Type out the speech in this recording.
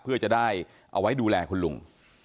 เพื่อจะได้เอาไว้ดูแลคุณลุง